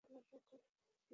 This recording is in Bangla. ফিতে ফিতে গুলো?